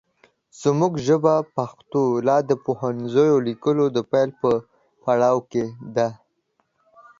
زمونږ ژبه پښتو لا د پوهنیزو لیکنو د پیل په پړاو کې ده